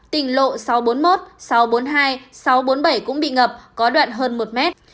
tỉnh lộ sáu trăm bốn mươi một sáu trăm bốn mươi hai sáu trăm bốn mươi bảy cũng bị ngập có đoạn hơn một mét